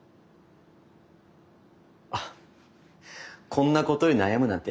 あこんなことに悩むなんて